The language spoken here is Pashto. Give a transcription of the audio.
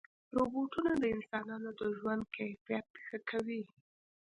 روبوټونه د انسانانو د ژوند کیفیت ښه کوي.